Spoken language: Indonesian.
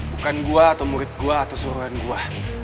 bukan gue atau murid gue atau suruhan gue